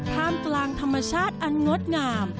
ท่ามกลางธรรมชาติอันงดงาม